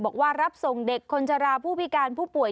บอกว่ารับส่งเด็กคนชะลาผู้พิการผู้ป่วย